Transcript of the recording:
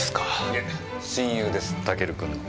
いえ親友ですタケル君の。